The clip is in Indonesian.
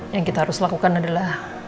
yang kita harus lakukan adalah